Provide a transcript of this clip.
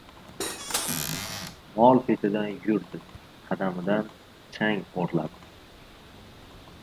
Mol ketidan yurdi. Qadamidan chang o‘rladi.